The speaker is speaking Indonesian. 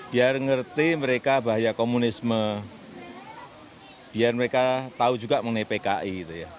biar ngerti mereka bahaya komunisme biar mereka tahu juga mengenai pki